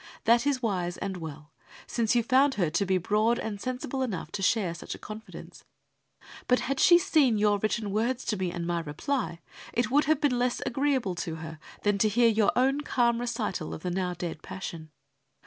That is wise and well, since you found her to be broad and sensible enough to share such a confidence. But had she seen your written words to me and my reply, it would have been less agreeable to her than to hear your own calm recital of the now dead passion.